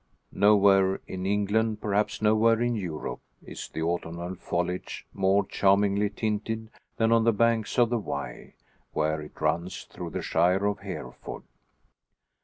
Nowhere in England, perhaps nowhere in Europe, is the autumnal foliage more charmingly tinted than on the banks of the Wye, where it runs through the shire of Hereford.